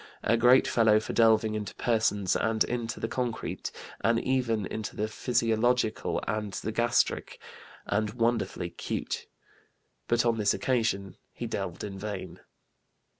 A great fellow for delving into persons and into the concrete, and even into the physiological and the gastric, and wonderfully cute." But on this occasion he delved in vain.